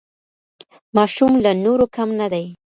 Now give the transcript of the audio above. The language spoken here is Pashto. ماشوم له نورو کم نه دی.